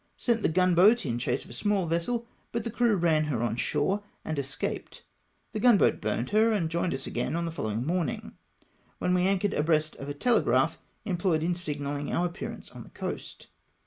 Sent the gun boat m chase of a small vessel, but the crew ran her on shore, and escaped. The gun boat bm ned her, and jomed us again on the following morning, when we anchored abreast of a telegraph employed in signalising our ap pearance on the coast.